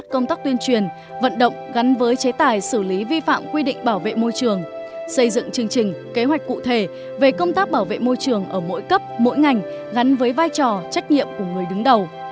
công tác bảo vệ môi trường ở mỗi cấp mỗi ngành gắn với vai trò trách nhiệm của người đứng đầu